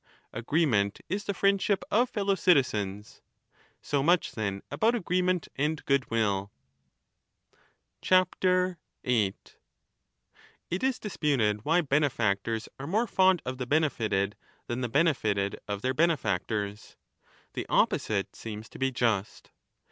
Agreement is the friend 35 ship of fellow citizens. So much then about agreement and goodwill. It is disputed why benefactors are more fond of the 8 benefited than the benefited of their benefactorsT" The opposite seems to be just.